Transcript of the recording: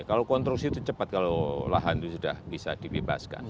kalau konstruksi itu cepat kalau lahan itu sudah bisa dibebaskan